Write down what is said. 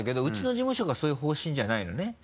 うちの事務所がそういう方針じゃないのね。